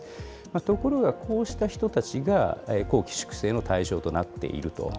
ところがこうした人たちが綱紀粛正の対象になっていると。